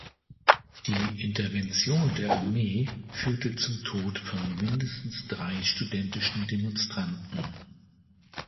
Die Intervention der Armee führte zum Tod von mindestens drei studentischen Demonstranten.